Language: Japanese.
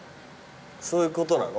そういうことなの？